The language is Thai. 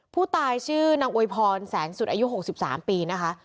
ผู้ตายชื่อนางโอยพรแสงสุดอายุหกสิบสามปีนะคะ